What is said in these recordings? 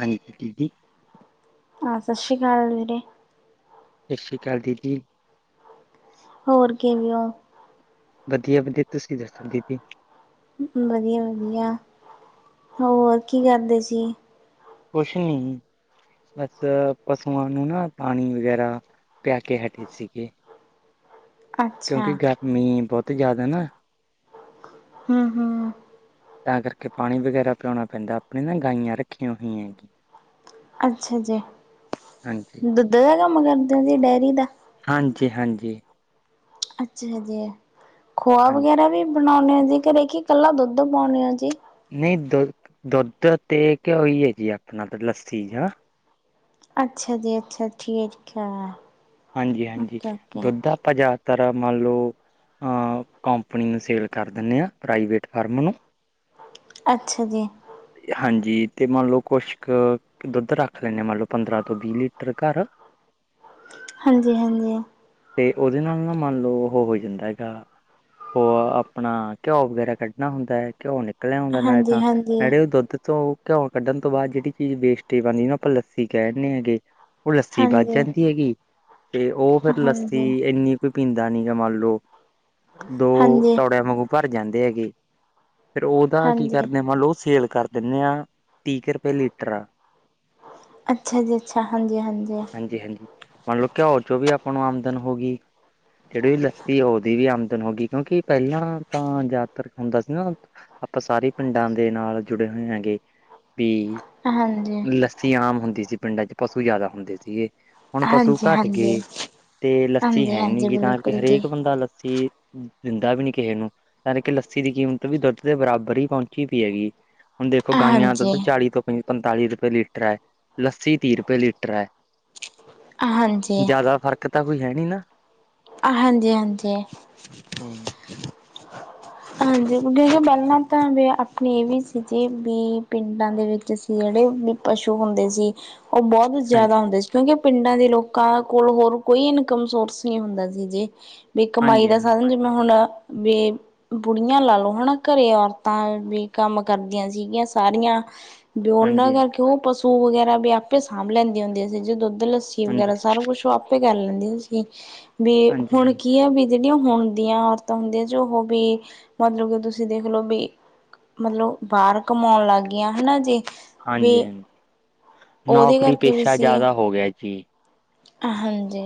ਹਾਂਜੀ [inaudible] ਸਤਿ ਸ਼੍ਰੀ ਅਕਾਲ ਦੀਦੀ। ਹੋਰ ਕਿਵੇ ਹੋ। ਵਧੀਆ ਵਧੀਆ ਤੁਸੀਂ ਦੱਸੋ ਦੀਦੀ। ਵਧੀਆ ਵਧੀਆ। ਹੋਰ ਕੀ ਕਰਦੇ ਸੀ। ਕੁਛ ਨੀ। ਬਸ ਪਸੂਆਂ ਨੂੰ ਨਾ ਪਾਣੀ ਵਗੈਰਾ ਪਿਆ ਕੇ ਹਟੇ ਸੀਗੇ। ਅੱਛਾ ਕਿਉਂਕਿ, ਗਰਮੀ ਬਹੁਤ ਜ਼ਿਆਦਾ ਨਾ। ਹਮ ਹਮ। ਤਾਂ ਕਰਕੇ ਪਾਣੀ ਵਗੈਰਾ ਪਿਉਣਾ ਪੈਂਦਾ ਆਪਣੇ ਨਾ ਗਾਈਆਂ ਰੱਖੀਆਂ ਹੋਈਆਂ। ਅੱਛਾ ਜੀ। ਹਾਂਜੀ ਦੁੱਧ ਦਾ ਕੰਮ ਕਰਦੇ ਆ ਜੀ ਡੇਅਰੀ ਦਾ। ਹਾਂਜੀ ਹਾਂਜੀ। ਅੱਛਾ ਜੀ ਖੋਆ ਹਾਂਜੀ ਵਗੈਰਾ ਵੀ ਬਣਾਉਣੇ ਹ ਜ ਦੇਖੀ ਇਕੱਲਾ ਦੁੱਧ ਪਾਉਣੀ ਆ ਜੀ ਨਹੀਂ ਦੁ ਦੁੱਧ ਤੇ ਘਿਓ ਹੈ ਜੀ ਆਪਣਾ ਤਾਂ ਲੱਸੀ ਅੱਛਾ ਜੀ ਅੱਛਾ ਠੀਕ ਹੈ ਓ ਓਕੇ। ਤਰ੍ਹਾਂ ਮੰਨ ਲਓ ਅ ਕੰਪਨੀ ਨੂੰ ਸੇਲ ਕਰ ਦਿੰਦੇ ਹਾਂ ਪ੍ਰਾਈਵੇਟ ਫਰਮ ਨੂੰ। ਅੱਛਾ ਜੀ। ਹਾਂਜੀ ਤੇ ਮੰਨ ਲਓ ਕੁਛ ਕੁ ਦੁੱਧ ਰੱਖ ਲੈਂਦੇ ਮੰਨ ਲਓ ਪੰਦਰਾਂ ਤੋਂ ਵੀਹ ਲੀਟਰ ਘਰ ਹਾਂਜੀ ਹਾਂਜੀ। ਤੇ ਉਹਦੇ ਨਾਲ ਨਾ ਮੰਨ ਲਓ ਉਹ ਹੋ ਜਾਂਦਾ ਹੈਗਾ। ਹੋ ਆਪਣਾ ਘਿਓ ਵਗੈਰਾ ਕੱਢਣਾ ਹੁੰਦਾ ਹੈ ਘਿਓ ਨਿਕਲ ਨੱਕਲਿਆ ਹੁੰਦਾ ਨਾਲੇ ਹਾਂਜੀ ਤਾਂ ਹਾਂਜੀ ਨੜੇ ਦੁੱਧ ਤੋਂ ਘਿਉਂ ਕੱਢਣ ਤੋਂ ਬਾਅਦ ਜਿਹੜੀ ਚੀਜ਼ ਵੇਸਟੇਜ ਆਉਂਦੀ ਆਪਾਂ ਲੱਸੀ ਕਹਿ ਦਿੰਦੇ ਹ ਹੈਗੇ। ਉਹ ਲੱਸੀ ਵੱਚ ਹਾਂਜੀ ਜਾਂਦੀ ਹੈਗੀ ਤੇ ਉਹ ਫੇਰ ਲੱਸੀ ਹਾਂਜੀ ਇੰਨੀ ਕੁ ਪੀਂਦਾ ਨੀ ਗਾ ਮੰਨ ਲਓ। ਦੋ ਹਾਂਜੀ ਤੌੜਿਆਂ, ਵਾਂਗੂ ਭਰ ਜਾਂਦੇ ਹੈਗੇ। ਫੇਰ, ਉਹਦਾ ਕੀ ਹਾਂਜੀ ਕਰਦੇ ਆ । ਮੰਨ ਲਓ ਸੇਲ ਕਰ ਦਿੰਦੇ ਆਂ। ਤੀ ਕੁ ਰੁਪਏ ਲੀਟਰ ਆ? ਅੱਛਾ ਜੀ ਅੱਛਾ ਹਾਂਜੀ ਹਾਂਜੀ- ਹਾਂਜੀ, ਮੰਨ ਲੋ ਘਿਓ ਚੋ ਵੀ ਆਪ ਹੁਣ, ਆਮਦਨ ਹੋ ਗਈ। ਜਿਹੜੀ ਲੱਸੀ ਉਹਦੀ ਵੀ ਆਮਦਨ ਹੋ ਗਈ। ਕਿਉਂਕਿ, ਪਹਿਲਾਂ, ਤਾਂ ਜ਼ਿਆਦਾਤਰ ਹੁੰਦਾ ਸੀ ਨਾ। ਆਪਾਂ, ਸਾਰੇ ਪਿੰਡਾਂ ਦੇ ਨਾਲ ਜੁੜੇ ਹੋਏ ਹੈਗੇ। ਵੀ ਹਾਂਜੀ ਲੱਸੀ, ਆਮ ਹੁੰਦੀ ਸੀ। ਪਿੰਡਾਂ ਚ, ਪਸੂ ਜਿਆਦਾ ਹੁੰਦੇ ਸੀਗੇ। ਹੁਣ ਪਸ਼ੂ ਹਾਂਜੀ ਘੱਟ ਹਾਂਜੀ ਗਏ। ਤੇ, ਲੱਸੀ ਹਾਂਜੀ ਹੈ, ਨੀ, ਹਾਂਜੀ ਗ ਤਾਂ ਬਿਲਕੁਲ ਜੀ ਹਰੇਕ ਬੰਦਾ, ਲੱਸੀ ਦਿੰਦਾ ਵੀ ਨੀ ਕਿਸੇ ਨੂੰ। ਨਾਲੇ ਕਿ ਲੱਸੀ ਦੀ ਕੀਮਤ ਵੀ, ਦੁੱਧ ਦੇ ਬਰਾਬਰ ਹੀ, ਪਹੁੰਚੀ ਪਈ ਹੈਗੀ। ਹੁਣ ਦੇਖੋ, ਗਾਈਆਂ ਹਾਂਜੀ ਦੁੱਧ ਚੜੀ ਤੋਂ, ਪਈਆਂ। ਪੰਤਾਲੀ ਰੁਪਏ ਲੀਟਰ ਹੈ। ਲੱਸੀ ਤੀਹ ਰੁਪਏ ਲੀਟਰ ਹੈ। ਹਾਂਜੀ ਜ਼ਿਆਦਾ ਫ਼ਰਕ ਤਾਂ, ਕੋਈ ਹੈ। ਨੀ, ਨਾ। ਹਾਂਜੀ- ਹਾਂਜੀ। ਹੂੰ, ਹਾਂਜੀ, ਪਹਿਲਾਂ ਤਾਂ ਇਹ ਵੀ ਸੀ। ਜੇ, ਵੀ ਪਿੰਡਾਂ ਦੇ ਵਿੱਚ ਸੀ ਜਿਹੜੇ, ਵੀ ਪਸ਼ੂ ਹੁੰਦੇ ਸੀ। ਉਹ ਬਹੁਤ, ਜ਼ਿਆਦਾ ਹਾਂਜੀ, ਹੁੰਦੇ ਸੀ। ਕਿਉਂਕਿ ਪਿੰਡਾਂ ਦੇ ਲੋਕਾਂ, ਕੋਲ ਹੋਰ ਕੋਈ, ਇਨਕਮ ਸੋਰਸ ਨਹੀਂ ਹੁੰਦਾ ਸੀ। ਜੇ ਵੀ ਕਮਾਈ ਹਾਂਜੀ, ਹਾਂਜੀ, ਦਾ ਹਾਂਜੀ, ਸਾਧਨ, ਜਿਵੇਂ ਹੁਣ ਵੀ ਬੁੜੀਆਂ ਲਾ ਲਓ। ਹਨਾ, ਘਰੇ ਔਰਤਾਂ ਵੀ ਕੰਮ ਕਰਦੀਆਂ ਸੀਗੀਆਂ ਸਾਰੀਆਂ। ਤੇ, ਬਓਨਾਂ ਹਾਂਜੀ, ਕਰਕੇ, ਉਹ ਪਸੂ ਵਗੈਰਾ ਵੀ, ਆਪੇ ਸਾਂਭ ਲੈਂਦੀਆਂ ਹੁੰਦੀਆਂ ਸੀ। ਜੇ ਦੁੱਧ ਲੱਸੀ, ਵਗੈਰਾ ਸਾਰਾ ਕੁਛ, ਆਪੇ ਕਰ ਲੈਂਦੀਆਂ ਸੀ ਵੀ, ਹਾਂਜੀ, ਹੁਣ ਹਾਂਜੀ। ਹਾਂਜੀ, ਕੀ ਆ ਵੀ। ਹੁਣਦੀਆਂ ਔਰਤਾਂ ਹੁੰਦੀਆਂ ਜੋ ਹੋ ਵੀ ਮਤਲਬ, ਕਿ ਤੁਸੀਂ ਦੇਖਲਓ ਵੀ, ਮਤਲਬ ਬਾਹਰ ਕਮਾਉਣ ਲੱਗ ਗਈਆਂ। ਹਨਾ ਜੇ ਹਾਂਜੀ- ਹਾਂਜੀ, ਉਹਦੇ ਨੌਕਰੀ ਕਰਕੇ ਵੀ ਪੇਸ਼ਾ, ਸੀ ਜ਼ਿਆਦਾ ਹੋ ਗਿਆ। ਜੀ। ਹਾਂਜੀ।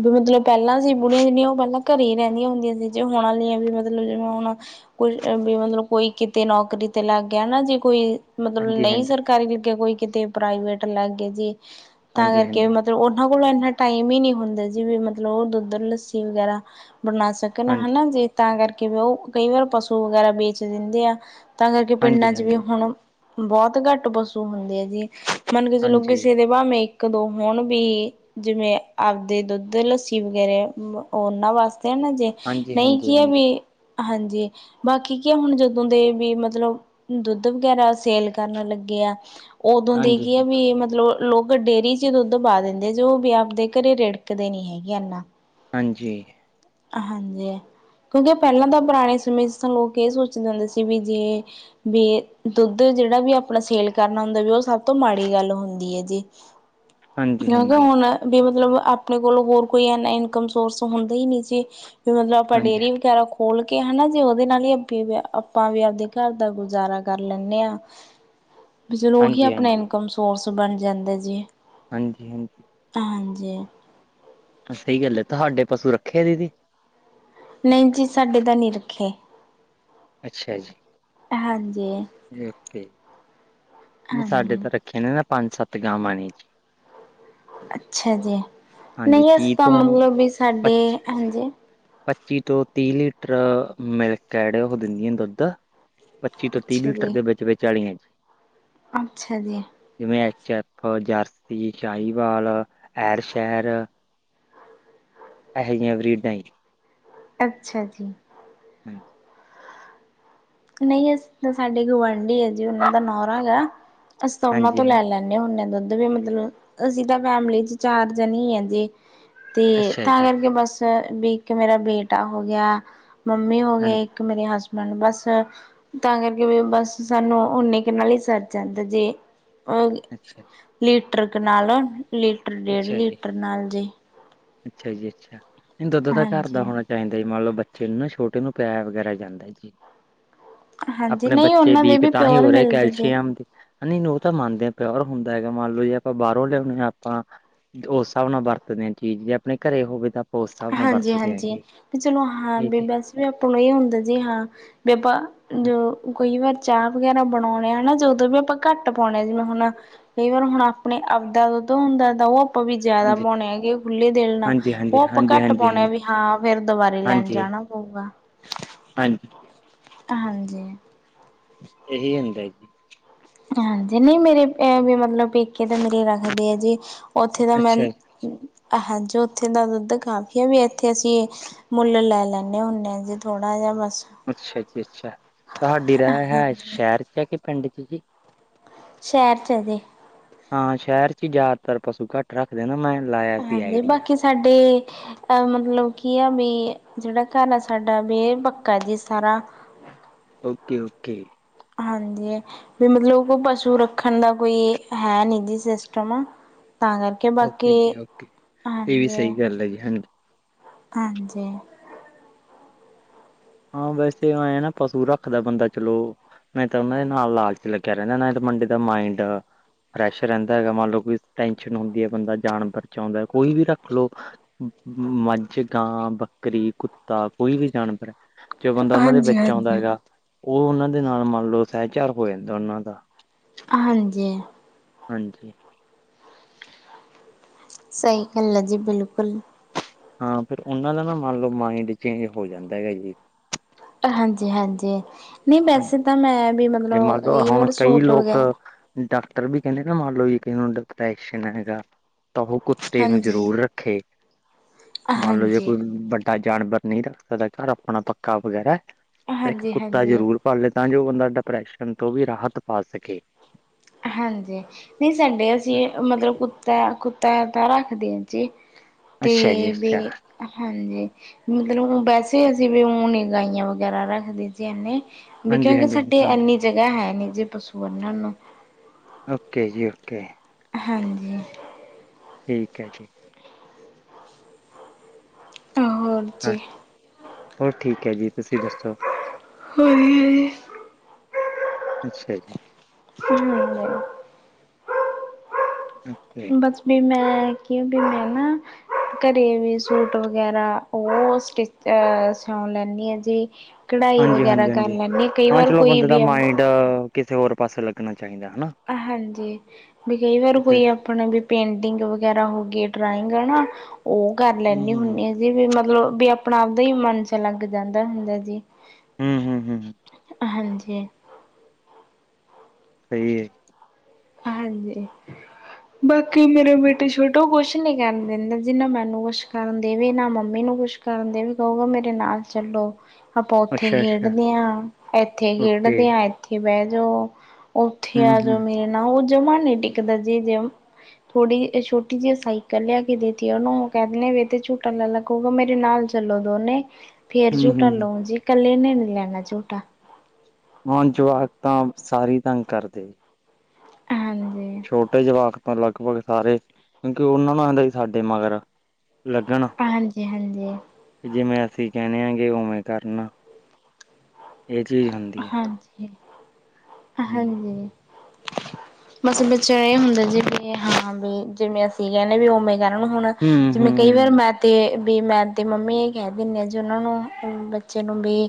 ਵੀ ਮਤਲਬ ਪਹਿਲਾਂ ਸੀ ਬੁੜੀਆਂ ਜਿਹੜੀਆਂ ਉਹ, ਪਹਿਲਾਂ ਘਰੇ ਹੀ, ਰਹਿੰਦੀਆਂ ਹੁੰਦੀਆਂ ਸੀ। ਜੇ ਹੋੁਣ ਵਾਲੀਆਂ, ਵੀ ਮਤਲਬ ਜਿਵੇਂ ਹੁਣ ਕੁਛ ਵੀ, ਮਤਲਬ ਕੋਈ, ਕਿਤੇ, ਨੌਕਰੀ ਤੇ, ਲੱਗ ਗਿਆ, ਨਾ ਜੇ ਕੋਈ ਮਤਲਬ ਹਾਂਜੀ, ਨਹੀਂ ਹਾਂਜੀ, ਸਰਕਾਰੀ, ਲੱਗੇਆ ਕੋਈ, ਕਿਤੇ ਪ੍ਰਾਈਵੇਟ ਲੈ ਗਏ ਜੇ ਤਾਂ ਹਾਂਜੀ, ਕਰਕੇ, ਹਾਂਜੀ, ਹਾਂਜੀ, ਮਤਲਬ ਉਹਨਾਂ ਕੋਲ ਇੰਨਾ ਟਾਈਮ ਹੀ, ਨਹੀਂ ਹੁੰਦਾ। ਤੇ ਜੀਵੇ, ਮਤਲਬ ਉਹ ਦੁੱਧ, ਲੱਸੀ ਵਗੈਰਾ ਬਣਾ ਸਕਣ ਹਾਂਜੀ, ਹਨਾ। ਜੇ ਤਾਂ, ਕਰਕੇ। ਕਿ ਉਹ, ਕਈ ਵਾਰ ਪਸੂ, ਵਗੈਰਾ ਵੇਚ ਦਿੰਦੇ ਆ। ਤਾਂ, ਕਰਕੇ ਹਾਂਜੀ, ਪਿੰਡਾਂ ਚ ਵੀ ਹਾਂਜੀ। ਹੁਣ ਬਹੁਤ ਘੱਟ ਪਸੂ ਹੁੰਦੇ ਆ ਜੀ। ਮੰਨ ਕੇ ਚਲੋ ਹਾਂਜੀ, ਕਿਸੇ ਦੇ ਭਾਵੇਂ ਕ ਦੋ ਹੁਣ ਵੀ, ਜਿਵੇਂ, ਆਪਦੇ ਦੁੱਧ, ਲੱਸੀ ਵਗੈਰਾ ਉਹਨਾਂ, ਵਾਸਤੇ ਤੇ, ਨਾ ਜੇ, ਹਾਂਜੀ, ਨਹੀਂ ਕੀ ਹਾਂਜੀ, ਵੀ। ਹਾਂਜੀ। ਬਾਕੀ ਕੀ ਹੁਣ, ਜਦੋਂ ਦੇ ਵੀ, ਮਤਲਬ ਦੁੱਧ ਵਗੈਰਾ ਸੇਲ ਕਰਨ ਲੱਗੇ- ਆ। ਉਦੋਂ ਦੇ, ਹਾਂਜੀ, ਕੀ ਆ ਵੀ, ਮਤਲਬ ਲੋਕ ਡੇਅਰੀ ਚ ਦੁੱਧ ਪਾ ਦਿੰਦੇ। ਜੋ ਵੀ ਆਪਦੇ ਘਰੇ ਰਿੜ ਕਦੇ ਨੀ ਹੈਗੇ ਇਨਾ। ਹਾਂਜੀ। ਹਾਂਜੀ। ਕਿਉਂਕਿ, ਪਹਿਲਾਂ ਤਾਂ, ਪੁਰਾਣੇ ਸਮੇਂ ਚ, ਤਾਂ ਲੋਕ ਇਹ ਸੋਚਦੇ ਹੋਣਦੇ ਸੀ। ਵੀ ਜੇ ਬਈ ਦੁੱਧ ਜਿਹੜਾ ਵੀ, ਆਪਣਾ ਸੇਲ ਕਰਨਾ ਹੁੰਦਾ ਵੀ, ਉਹ ਸਭ ਤੋਂ ਮਾੜੀ ਗੱਲ ਹੁੰਦੀ ਏ ਜੀ। ਹਾਂਜੀ, ਹਾਂਜੀ, ਹਾਂਜੀ, ਕਿਉਂਕਿ, ਹਾਂਜੀ, ਹੁਣ ਵੀ ਮਤਲਬ, ਆਪਣੇ ਕੋਲੋਂ ਹੋਰ, ਕੋਈ ਇਨੇ ਇਨਕਮ ਸੋਰਸ ਹੁੰਦਾ ਹੀ ਨਹੀਂ। ਜੀ, ਤੇ ਮਤਲਬ ਆਪਾਂ ਡੇਅਰੀ ਵਗੈਰਾ ਖੋ ਖੋਲ ਕੇ, ਹੈਨਾ ਜੇ ਉਹਦੇ ਨਾਲ ਹੀ, ਆਪ- ਆਪਾਂ ਵੀ, ਆਪਦੇ ਘਰ ਦਾ ਗੁਜ਼ਾਰਾ ਕਰ ਲੈਂਦੇ ਆਂ। ਫੇਰ ਉਹੀ, ਹਾਂਜੀ, ਆਪਣਾ ਇਨਕਮ ਸੋਰਸ ਬਣ ਜਾਂਦਾ ਜੀ। ਹਾਂਜੀ- ਹਾਂਜੀ। ਹਾਂਜੀ। ਸਹੀ ਗੱਲ ਹੈ। ਤੁਹਾਡੇ ਪਸੂ ਰੱਖੇ ਏ ਦੀ ਦੀ? ਨਹੀਂ ਜੀ, ਸਾਡੇ ਤਾਂ ਨੀ ਰੱਖੇ। ਅੱਛਾ ਜੀ। ਹਾਂਜੀ ਨਹੀਂ ਸਾਡੇ ਹਾਂਜੀ ਤਾਂ ਰੱਖੇ ਨੇ ਨਾ ।ਪੰਜ ਸੱਤ ਗਾਵਾਂ ਨੇ। ਅੱਛਾ ਜੀ, ਹਾਂਜੀ ਨਹੀਂ ਅਸੀਂ ਤੀਹ ਤਾਂ ਤੋਂ ਮਤਲਬ ਵੀ ਸਾਡੇ, ਹਾਂਜੀ ਪੱਚੀ ਤੋਂ ਤੀਹ ਲੀਟਰ ਮਿਲਕ ਐਡ ਉਹ ਦਿੰਦੀ ਆ ਦੁੱਧ। ਪੱਚੀ ਤੋਂ ਤੀਹ ਅੱਛਾ ਲੀਟਰ ਜੀ ਦੇ ਵਿੱਚ ਵਿਚਾਲੀਆਂ। [unintelligible] ਅੱਛਾ ਜੀ ਜਿਵੇਂ ਐਚ- ਅੱਕ ਔਰ ਜੱਸ। ਈ ਸ਼ਾਹੀਵਾਲ, ਐਰ ਸ਼ੈਰ ਇਹੋ ਜਿਹੀਆਂ ਵਰੀਡਾਂ ਹੀ। ਅੱਛਾ ਜੀ। ਹੰਜੀ। ਨਹੀਂ ਅਸੀ, ਸਾਡੇ ਗੁਆਂਢੀ ਹੈ ਜੀ ਉਹਨਾਂ ਦਾ ਨੌਰਾ ਹੈਗਾ। ਅਸੀਂ ਉਹਨਾਂ ਹਾਂਜੀ ਤੋਂ ਹਾਂਜੀ ਲੈ ਲੈਂਣੇ ਹੁੰਦੇ ਹਾਂ ਦੁੱਧ। ਵੀ ਮਤਲਬ ਅਸੀਂ ਤਾਂ ਫੈਮਿਲੀ ਚ ਚਾਰ ਜਣੇ ਆ ਜੀ। ਤੇ ਅੱਛਾ ਤਾਂ ਜੀ ਕਰਕੇ ਬਸ, ਵੀ ਇੱਕ ਮੇਰਾ ਬੇਟਾ ਹੋ ਗਿਆ। ਮੰਮੀ ਹੋ ਗਏ, ਹਾਂਜੀ ਇੱਕ ਮੇਰੇ ਹਸਬੈਂਡ, ਬਸ। ਤਾਂ ਕਰਕੇ ਵੀ ਬਸ ਸਾਨੂੰ ਓਨੇ ਕਿ ਨਾਲ ਹੀ ਸਰ ਜਾਂਦਾ ਜੀ। ਉਹ ਅੱਛਾ ਜੀ ਲੀਟਰ ਕ ਨਾਲੋਂ, ਲੀਟਰ ਡੇਢ ਅੱਛਾ ਜੀ ਲੀਟਰ ਨਾਲ ਜੀ। ਅੱਛਾ ਜੀ ਅੱਛਾ, ਨਹੀਂ ਦੁੱਧ ਤਾਂ ਘਰ ਦਾ ਹਾਂਜੀ, ਹੋਣਾ ਚਾਹੀਦਾ ਜੀ। ਮੰਨ ਲਓ ਬੱਚ ਚੇ ਨੂੰ ਛੋਟੇ ਨੂੰ ਪੀਆਆ ਵਗੈਰਾ ਜਾਂਦਾ ਜੀ। ਹਾਂਜੀ ਆਪਣੇ ਨਹੀਂ ਬੱਚੇ ਉਹਨਾਂ ਦੇ ਵੀਕ ਵੀ ਤਾਂ ਹੀ ਪਿਓਰ ਹੋ ਰਹੇ ਮਿਲਦੇ ਜੇ। ਕੈਲਸ਼ੀਅਮ, ਨਹੀਂ ਉਹ ਤਾਂ ਮੰਨਦੇ ਆ ਪਯੋ ਹੁੰਦਾ ਹੈਗਾ ।ਮੰਨ ਲਓ ਜੇ ਆਪਾਂ ਬਾਹਰੋਂ ਲਿਆਉਣੇ ਆ ਆਪਾਂ, ਉਸ ਹਿਸਾਬ ਨਾਲ ਵਰਤਦੇ ਹਾਂ ਚੀਜ਼। ਜੇ ਆਪਣੇ ਘਰੇ ਹੋਵੇ ਤਾਂ ਆਪਾਂ ਉਸ ਹਿਸਾਬ ਨਾਲ ਵਰਤਦੇ ਹਾਂਜੀ-ਹਾਂਜੀ, ਹੈਗੇ ਵੀ ਚਲੋ ਹਾਂ ਵੀ ਠੀਕ ਬਸ ਵੀ ਆਪਾਂ ਨੂੰ ਇਹ ਹੁੰਦਾ ਜੀ ਹਾਂ ਵੀ ਆਪਾਂ ਹੈ ਜੌ ਕਈਂ ਵਾਰ ਚਾਹ ਵਗੈਰਾ ਬਣਾਉਣੇ ਆ ਹੈਨਾ ਜਦੋਂ ਵੀ, ਆਪਾਂ ਘੱਟ ਪਾਉਣੇ ਆਂ, ਜਿਵੇਂ ਹੁਣ ਕਈ ਵਾਰ ਹੁਣ ਆਪਣੇ ਅੱਪ ਦਾ ਦੁੱਧ ਹੁੰਦਾ, ਉਹ ਆਪਾਂ ਵੀ ਜ਼ਿਆਦਾ ਹਾਂਜੀ ਪਾਉਂਦੇ ਹੈਗੇ, ਖੁੱਲੇ ਦਿਲ ਨਾਲ। ਹਾਂਜੀ ਉਹ ਹਾਂਜੀ ਆਪਾਂ ਹਾਂਜੀ ਹਾਂਜੀ ਘੱਟ ਹਾਂਜੀ ਪਾਉਣੇ ਆ, ਵੀ ਹਾਂ ਫੇਰ ਦੁਬਾਰੇ ਲੈਣ ਹਾਂਜੀ ਜਾਣਾ ਪਊਗਾ। ਹਾਂਜੀ ਹਾਂਜੀ ਇਹੀ ਹੂੰਦਾ ਜੀ। ਹਾਂਜੀ, ਨਹੀਂ ਮੇਰੇ ਵੀ ਮਤਲਬ ਪੇਕੇ ਤਾਂ ਮੇਰੇ ਰੱਖਦੇ ਆ ਜੀ। ਉੱਥੇ ਦਾ ਮੈਂਨ ਅੱਛਾ ਜੀ ਹਾਂ ਜੋ ਉੱਥੇ ਦਾ ਦੁੱਧ ਕਾਫੀ ਆ, ਵੀ ਇੱਥੇ ਅਸੀਂ ਮੁੱਲ ਲੈ ਲੈਂਦੇ ਹੁੰਦੇ ਹਾਂ, ਜੇ ਥੋੜਾ ਜਿਹਾ ਵਰ ਅੱਛਾ ਜੀ ਅੱਛਾ, ਤੁਹਾਡੀ ਰਹਾਏਸ਼ ਹਾਂਜੀ ਸ਼ਹਿਰ ਚ ਹੈ ਕਿ ਪਿੰਡ ਚ ਜੀ? ਸ਼ਹਿਰ ਚ ਹੈ ਜੀ। ਹਾਂ ਸ਼ਹਿਰ ਚ ਹੀ ਜ਼ਿਆਦਾਤਰ ਪਸੂ ਘੱਟ ਰੱਖਦੇ ਨਾ ਮੈਂ ਲਾਇਆ ਸੀ ਹਾਂਜੀ ਆਈਡੀਆ ਬਾਕੀ ਸਾਡੇ ਅ ਮਤਲਬ ਕੀ ਆ ਵੀ ਜਿਹੜਾ ਘਰ ਆ ਸਾਡਾ ਬੇ ਪੱਕਾ ਜੀ ਸਾਰਾ ਓਕੇ ਓਕੇ ਹਾਂਜੀ ਵੀ ਮਤਲਬ ਕੋਈ ਪਸੂ ਰੱਖਣ ਦਾ ਕੋਈ ਹੈ ਨੀ ਜੀ ਸਿਸਟਮ ਆ ਤਾਂ ਕਰਕੇ ਬਾਕੀ ਓਕੇ ਜੀ ਓਕੇ ਇਹ ਵੀ ਹਾਂਜੀ ਸਹੀ ਗੱਲ ਹੈ ਜੀ ਹਾਂਜੀ ਹਾਂਜੀ ਹਾਂ ਵੈਸੇ ਐਂ ਨਾ ਪਸੂ ਰੱਖਦਾ ਬੰਦਾ ਚਲੋ ਨਹੀਂ ਤਾਂ ਉਹਨਾਂ ਦੇ ਨਾਲ ਲਾਲਚ ਲੱਗਿਆ ਰਹਿੰਦਾ ਨਾ ਤਾਂ ਮੁੰਡੇ ਦਾ ਮਾਇੰਡ ਫਰੈਸ਼ ਰਹਿੰਦਾ ਹੈਗਾ ਮੰਨ ਲਓ ਵੀ ਟੈਸ਼ਨ ਹੁੰਦੀ ਹੈ ਬੰਦਾ ਜਾਨਵਰ ਚ ਆਉਂਦਾ ਕੋਈ ਵੀ ਰੱਖ ਲੋ ਮੱਝ ਗਾਂ ਬੱਕਰੀ ਕੁੱਤਾ ਕੋਈ ਵੀ ਜਾਨਵਰ ਜੇ ਬੰਦਾ ਉਹਨਾਂ ਦੇ ਹਾਂਜੀ ਵਿੱਚ ਆਉਂਦਾ ਏ ਹਾਂਜੀ ਉਹ ਉਹਨਾਂ ਦੇ ਨਾਲ ਮੰਨ ਲਓ ਸਹਿਚਾਰ ਹੋ ਜਾਂਦਾ ਉਹਨਾਂ ਦਾ ਹਾਂਜੀ ਹਾਂਜੀ ਸਹੀ ਗੱਲ ਹੈ ਜੀ ਬਿਲਕੁਲ ਹਾਂ ਫਿਰ ਉਹਨਾਂ ਦਾ ਨਾ ਮੰਨ ਲਓ ਮਾਈੰਡ ਚੇਂਜ ਹੋ ਜਾਂਦਾ ਹੈ ਜੀ ਹਾਂਜੀ ਹਾਂਜੀ ਨਹੀਂ ਵੈਸੇ ਤਾਂ ਮੈਂ ਵੀ ਤੇ ਮਤਲਬ ਮੰਨ ਲਓ ਕਈ ਹੁਣ ਵਾਰ ਕਈ ਸੂਟ ਲੋਕ ਵਗੈਰਾ ਵੀ ਕਹਿੰਦੇ ਨਾ ਮੰਨ ਲਓ ਵੀ ਡਿਪਰੇਸ਼ਾਨ ਹੈਗਾ ਤਾਂ ਉਹ ਕੁੱਤੇ ਨੂੰ ਹਾਂਜੀ ਜ਼ਰੂਰ ਰੱਖੇ ਮੰਨ ਲਓ ਜੇ ਹਾਂਜੀ ਕੋਈ ਵੱਡ ਜਾਨਵਰ ਨਹੀਂ ਰੱਖ ਸਕਦਾ ਘਰ ਆਪਣਾ ਪੱਕਾ ਵਗੈਰਾ ਤੇ ਇੱਕ ਹਾਂਜੀ ਕੁੱਤਾ ਹਾਂਜੀ ਜਰੂਰ ਪਾਲ ਲੇ ਤਾਂ ਜੋ ਬੰਦਾ ਡਿਪਰੈਸ਼ਨ ਤੋਂ ਵੀ ਰਾਹਤ ਪਾ ਸਕੇ ਹਾਂਜੀ ਨਹੀਂ ਸਾਡੇ ਅਸੀਂ ਮਤਲਬ ਕੁੱਤਾ ਕੁੱਤਾ ਰੱਖਦੇ ਆ ਜੀ ਤੇ ਅੱਛਾ ਜੀ ਵੀ ਅੱਛਾ ਹਾਂਜੀ ਮਤਲਬ ਵੈਸੇ ਅਤੇ ਅਸੀਂ ਵੀ ਹੁਣੀ ਗਾਈਆਂ ਵਗੈਰਾ ਰੱਖਦੀ ਸੀ ਇਨੇ ਵੀ ਹਾਂਜੀ ਕਿਉਂਕਿ ਹਾਂਜੀ ਹਾਂਜੀ ਸਾਡੇ ਹਾਂਜੀ ਇੰਨੀ ਜਗ੍ਹਾ ਹੈ ਨੀ ਜੇ ਪਸੂ ਆਨਣ ਨੂੰ ਓਕੇ ਜੀ ਓਕੇ ਹਾਂਜੀ ਠੀਕ ਹੈ ਜੀ ਹੋਰ ਹਾਂ ਜੀ ਹੋਰ ਠੀਕ ਹੈ ਜੀ ਤੁਸੀਂ ਦੱਸੋ ਹੋਜੀ ਹ ਜੀ ਅੱਛਾ ਜ ਹਮ ਓਕੇ ਬਸ ਵੀ ਮੈਂ ਵੀ ਮੈਂ ਨਾ ਘਰੇ ਵੀ ਸੂਟ ਵਗੈਰਾ ਉਹ ਸਟਿਚ ਲੈਦੇ ਹਾਂ ਜੇ ਕਢਾਈ ਹਾਂਜੀ ਵਗੈਰਾ ਹਾਂਜੀ ਕਰ ਹਾਂਜੀ। ਲੈਂਦੇ ਹ ਕਈ ਹਾਂ ਵਾਰ ਚਲੋ ਕੋਈ ਬੰਦੇ ਵੀ ਦਾ ਮਾਇੰਡ ਕਿਸੇ ਹੋਰ ਪਾਸੇ ਲੱਗਣਾ ਚਾਹੀਦਾ ਹਨਾ ਹਾਂਜੀ ਵੀ ਕਈ ਵਾਰ ਕਿਸੇ ਕੋਈ ਆਪਣਾ ਵੀ ਪੇਂਟਿੰਗ ਵਗੈਰਾ ਹੋ ਗੀ ਡਰਾਇੰਗ ਨਾ ਉਹ ਕਰ ਹੂੰ ਲੈਂਦੀ ਹੂੰ ਹੂੰ ਹੁੰਦੀ ਅਸੀਂ ਵੀ ਮਤਲਬ ਵੀ ਆਪਣਾ ਆਪ ਦਾ ਹੀ ਮਨ ਚ ਲਲੱਗ ਜਾਂਦਾ ਹੁੰਦਾ ਜੀ ਹਮ ਹਮ ਹਮ ਹਾਂਜੀ ਸਹੀ ਹੈ ਹਾਂਜੀ ਬਾਕੀ ਮੇਰੇ ਬੇਟੇ ਛੋਟਾ ਕੁਛ ਨੀ ਕਰਨ ਦਿੰਦਾ ਜਿੰਨਾ ਮੈਨੂੰ ਕੁਛ ਕਰਨ ਦੇਵੇ ਨਾ ਮੰਮੀ ਨੂੰ ਕੁਛ ਕਰਨ ਦੇ ਵੀ ਕਹੂਗਾ ਮੇਰੇ ਨਾਲ ਚੱਲੋ ਆਪਾਂ ਉੱਥੇ ਅੱਛਾ ਅੱਛਾ ਖੇਡਦੇ ਹਾਂ ਇੱਥੇ ਓਕੇ ਖੇਡਦੇ ਹਾਂ ਇੱਥੇ ਬਹਿ ਜਾਓ ਉੱਥੇ ਹੂੰ ਆ ਜੋ ਹੂੰ ਮੇਰੇ ਨ ਉਹ ਜਮਾ ਨਹੀਂ ਟਿਕਦਾ ਜੇ ਜੇ ਥੋੜੀ ਛੋਟੀ ਜਿਹੀ ਸਾਈਕਲ ਲਿਆ ਕੇ ਦੇਤੀ ਉਹਨੂੰ ਕਹਿ ਦਿੰਦੇ ਵ ਤੇ ਝੋਟਾ ਲੈ ਲਾ ਕੂਗਾ ਮੇਰੇ ਨਾਲ ਚਲੋ ਦੋਨੇ ਫੇਰ ਹੂੰ ਝੂਟਾ ਹੂੰ ਲਊ ਜੀ ਕੱਲੇ ਨੇ ਨੀ ਲੈਣਾ ਝੂਟਾ ਹੁਣ ਜਵਾਕ ਤਾਂ ਸਾਰੀ ਤੰਗ ਕਰਦੇ । ਹਾਂਜੀ। ਛੋਟੇ ਜਵਾਕ ਤੋਂ ਲਗਭਗ ਸਾਰੇ ਕਿਉਂਕਿ ਉਹਨਾਂ ਨੂੰ ਸੀ ਸਾਡੇ ਮਗਰ ਲੱਗਣ ਹਾਂਜੀ ਹਾਂਜੀ ਜਿਵੇਂ। ਅਸੀਂ ਕਹਿਣੇ ਆਗੇ ਉਵੇਂ ਕਰਨਾ ਇਹ ਚੀਜ਼ ਹੁੰਦੀ ਹੈ। ਹਾਂਜੀ ਹਾਂਜੀ। ਬਸ ਵਿਚਾਰੇ ਇਹ ਹੁੰਦਾ ਜੀ ਵੀ ਹਾਂ ਵੀ ਜਿਵੇਂ ਅਸੀਂ ਕਹਿੰਦੇ ਵੀ ਉਵੇੇ ਜਾਣ ਨੂੰ ਹੁਣ ਹੂੰ ਜਿਵੇਂ ਕਈ ਵਾਰ ਹੂੰ ਮੈਂ ਤੇ। ਵੀ ਮੈਂ ਤੇ ਮੰਮੀ ਇਹ ਕਹਿ ਦੇ ਆਾਂ ਜੀ ਉਹਨਾਂ ਨੂੰ ਬੱਚੇ ਨੂੰ ਵੀ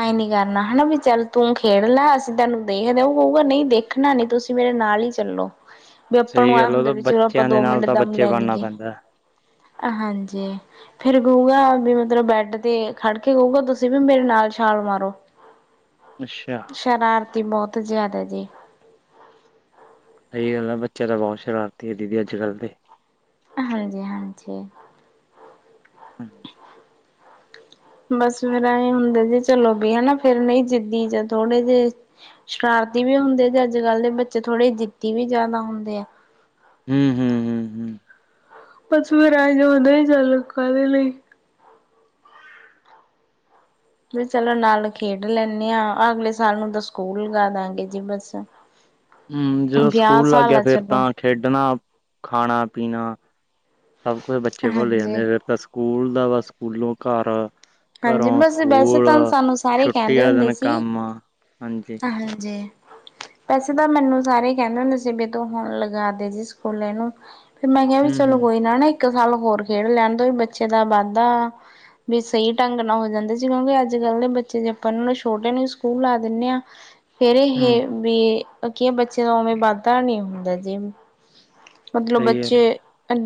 ਆਏ ਨੀ ਕਰ। ਨਾ ਹਨਾ ਵੀ ਚੱਲ ਤੂੰ ਖੇਡ ਲੈ ਅਸੀਂ ਤੈਨੂੰ ਦੇਖ ਦਊ ਕਊਗਾ ਨਹੀਂ ਦੇਖਣਾ ਨੀ ਤੁਸੀਂ ਮੇਰੇ ਨਾਲ ਹੀ ਚੱਲੋ। ਵੀ ਆਪਾਂ ਨੂੰ ਸਹੀ ਆਇ ਗੱਲ ਉਹ ਹੁੰਦਾ ਤਾਂ ਵੀ ਚਲੋ ਆਪਾਂ ਬੱਚਿਆਂ ਦੇ ਦੋ ਨਾਲ ਮਿੰਟ ਤਾਂ ਦਮ ਬੱਚੇ ਲੈ ਬਣਨਾ ਲਈਏ। ਪੈਂਦਾ ਹਾਂਜੀ ਫੇਰ ਗਊਗਾ ਵੀ ਮਤਲਬ ਬੈਡ ਤੇ ਖੜ ਕੇ ਗਊਗਾ ਤੁਸੀਂ ਵੀ ਮੇਰੇ ਨਾਲ ਛਾਲ ਮਾਰੋ। ਅੱਛਾ। ਤੇ ਬਹੁਤ ਜ਼ਿਆਦਾ ਜੀ ਸਹੀ ਗੱਲ ਐ ਬੱਚਿਆਂ ਤਾਂ ਬਹੁਤ ਸ਼ਰਾਰਤੀ ਏ ਦੀਦੀ ਅੱਜ ਕੱਲ੍ਹ ਦੇ ਹਾਂਜੀ- ਹਾਂਜੀ। ਹਾਂਜੀ ਹਾਂ। ਬਸ ਮੇਰਾ ਐ ਹੁੰਦੇ ਜੇ ਚਲੋ ਵੀ ਹਨਾ ਫਿਰ ਨਹੀਂ ਜਿੱਦੀ ਜਾਂ ਥੋੜੇ ਜਿਹੇ। ਸ਼ਰਾਰਤੀ ਵੀ ਹੁੰਦੇ ਤੇ ਅੱਜ ਕੱਲ੍ਹ ਦੇ ਬੱਚੇ ਥੋੜ੍ਹੇ ਜਿੱਦੀ ਵੀ ਜ਼ਿਆਦਾ ਹੁੰਦੇ ਆ। ਹਮ- ਹਮ ਹਮ -ਹਮ। ਬਸ ਫੇਰ ਆ [unintelligible] ਲੋਕਾਂ ਦੇ ਲਈ। ਵੀ ਚਲੋ ਨਾਲ ਖੇਡ ਲੈਂਦੇ ਹਾਂ ਅਗਲੇ ਸਾਲ ਨੂੰ ਤਾਂ ਸਕੂਲ ਲਗਾ ਦਾਂਗੇ ਜੀ ਬਸ। ਹਮ ਜਦੋਂ ਵਿਆਹ ਸਕੂਲ ਲੱਗ ਸਾਲ ਗਿਆ ਆ ਫੇਰ ਚਲੋ ਤਾਂ ਖੇਡਣਾ, ਖਾਣਾ, ਪੀਣਾ ਸਭ ਕੁਛ ਬੱਚੇ ਭੁੱਲ ਹਾਂਜੀ। ਜਾਂਦੇ ਫੇਰ ਤਾਂ ਸਕੂਲ ਦਾ ਵਾ ਸਕੂਲੋਂ ਘਰ। ਹਾਂਜੀ ਘਰੋਂ ਬਸ ਵੈਸੇ ਸਕੂਲ ਤਾਂ ਸਾਨੂੰ ਸਾਰੇ ਛੁੱਟੀ ਕਹਿੰਦੇ ਵਾਲੇ ਹੁੰਦੇ ਦਿਨ ਸੀ ਕੰਮ। ਹਾਂਜੀ ਹਾਂਜੀ। ਵੈਸੇ ਤਾਂ ਮੈਨੂੰ ਸਾਰੇ ਕਹਿੰਦੇ ਹੁੰਦੇ ਸੀ ਮੇਰੇ ਤੋਂ ਹੋਣ ਲਗਾ ਤੇ ਜੀ ਸਕੂਲੇ ਏਨੂੰ । ਫਿਰ ਮੈਂ ਕਿਹਾ ਵੀ ਹੂੰ ਚਲੋ ਹੂੰ ਕੋਈ ਨਾ -ਨਾ। ਇੱਕ ਸਾਲ ਹੋਰ ਖੇਡ ਲੈਣ ਤੋਂ ਵੀ ਬੱਚੇ ਦਾ ਵਾਧਾ ਵੀ ਸਹੀ ਢੰਗ ਨਾਲ ਹੋ ਜਾਂਦੇ ਸੀ ਕਿਉਂਕਿ ਅੱਜ। ਕੱਲ ਦੇ ਬੱਚੇ ਜੇ ਆਪਾਂ ਇਹਨਾਂ ਨੂੰ ਛੋਟੇ ਨੂੰ ਹੀ ਸਕੂਲ ਲਾ ਦਿੰਦੇ ਹਾਂ। ਫੇਰ ਹੂੰ ਇਹ ਵੀ ਕੀ ਬੱਚਿਆਂ ਦਾ ਉਵੇਂ ਵਾਧਾ ਨੀ ਹੁੰਦਾ ਜੇ। ਮਤਲਬ ਸਹੀ ਗੱਲ ਬੱਚੇ ਹੈ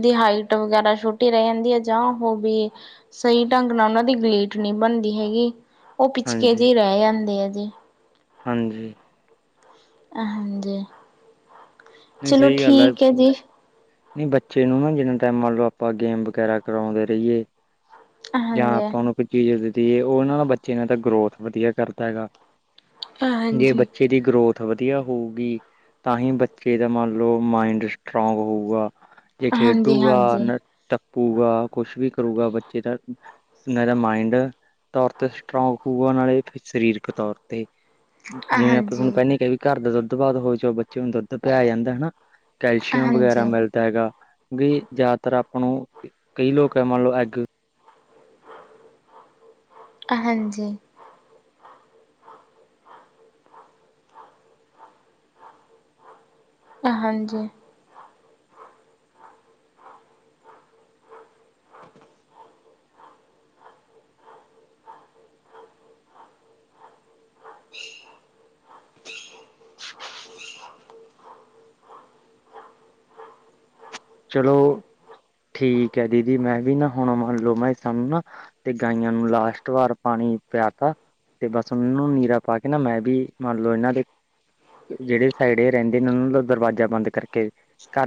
ਦੀ ਹਾਈਟ ਵਗੈਰਾ ਛੋਟੀ ਰਹਿ ਜਾਂਦੀ ਹੈ ਜਾਂ ਉਹ ਵੀ ਸਹੀ ਢੰਗ ਨਾਲ ਉਹਨਾਂ ਦੀ ਗਲੀਟ ਨਹੀਂ ਬਣਦੀ ਦੀ ਹੈਗੀ ਉਹ ਪਿਛਕੇ ਹਾਂਜੀ ਜੀ ਰਹਿ ਜਾਂਦੇ ਆ ਜੀ। ਹਾਂਜੀ। ਹਾਂਜੀ ਨਹੀਂ ਚਲੋ ਸਹੀ ਗੱਲ ਠੀਕ ਹੈ ਜੀ। ਨਹੀਂ ਬੱਚੇ ਨੂੰ ਨਾ ਜਿੰਨਾ ਟਾਈਮ ਮੰਨ ਲਓ ਆਪਾਂ ਗੇਮ ਵਗੈਰਾ ਕਰਾਉਂਦੇ ਰਹੀਏ। ਜਾਂ ਹਾਂਜੀ। ਆਪਾਂ ਨੂੰ ਕੋਈ ਚੀਜ਼ ਦੇ ਦਈਏ ਉਹ ਉਹਨਾਂ ਦਾ ਬੱਚੇ ਨੇ ਤਾਂ ਗਰੋਥ ਵਧੀਆ ਕਰਦਾ ਹੈਗਾ। ਜੇ ਹਾਂਜੀ। ਬੱਚੇ ਦੀ ਗਰੋਥ ਵਧੀਆ ਹੋਊਗੀ ਤਾਂ ਹੀ ਬੱਚੇ ਦਾ ਮੰਨ ਲਓ ਮਾਇੰਡ ਸਟਰੋਂਗ ਹੋਊਗਾ। ਜੇ ਖੇਡੂਗਾ ਹਾਂਜੀ-ਹਾਂਜੀ, ਹਾਂਜੀ, ਨਾ ਟੱਪੂਗਾ ਕੁਛ ਵੀ ਕਰੂਗਾ ਬੱਚੇ ਦਾ ਨਰਮਮਾਇੰਡ ਤੌਰ ਤੇ ਸਟਰੋਂਗ ਹੋਊਗਾ ਨਾਲੇ ਸਰੀਰਕ ਤੌਰ ਤੇ । ਜਿਵੇਂ ਆਪਾਂ ਤੁਹਾਨੂੰ ਹਾਂਜੀ, ਪਹਿਨ ਹੀ ਕਿਹਾ ਵੀ ਘਰ ਦਾ ਦੁੱਧ ਬਾਦ ਹੋ ਜਾ ਬੱਚੇ ਨੂੰ ਦੁੱਧ ਪਿਯਾਯਾ ਜਾਂਦਾ ਹਨਾ। ਕੈਲਸ਼ੀਅਮ ਵਗੈਰਾ ਹਾਂਜੀ, ਮਿਲਦਾ ਹੈਗਾ। ਵੀ ਜਿਆਦਾਤਰ ਆਪਾਂ ਨੂੰ ਕਈ ਲੋਕ ਆ ਮੰਨ ਲਓ ਐਗ। ਹਾਂਜੀ‌। ਹਾਂਜੀ। [inaudible] ਚਲੋ। ਠੀਕ ਹੈ ਦੀਦੀ, ਮੈਂ ਵੀ ਨਾ ਹੁਣ ਮੰਹਲੋ ਮੈਂ ਸਾਨੂੰ ਨਾ ਤੇ ਗਾਈਆਂ ਨੂੰ ਲਾਸਟ ਵਾਰ ਪਾਣੀ ਪਿਆ ਤਾ ਤੇ ਬਸ ਉਨ ਨੂੰ ਨੀਰਾ ਪਾ ਕੇ ਨਾ ਮੈਂ ਬੀ ਮੰਨ ਲੋ ਇਨਾਂ ਦੇ ਜੇੜੇ ਸਾਈਡ ਏ ਰੈੰਦੇ ਨੇ ਓਨ ਨੂੰ ਦਰਵਾਜ਼ਾ ਬੰਦ ਕਰਕੇ ਘਰ